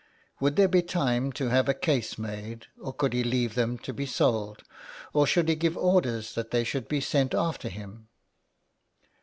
Would there be time to have a case made, or should he leave them to be sold, or should he give orders that they should be sent after him